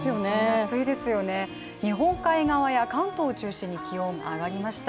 暑いですよね、日本海側や関東を中心に気温、上がりました。